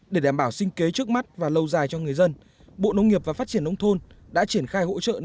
để đảm bảo sinh kế trước mắt và lâu dài cho người dân bộ nông nghiệp và phát triển nông thôn đã triển khai hỗ trợ